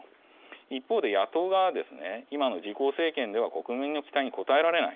一方で、野党側は、今の自公政権では、国民の期待に応えられない。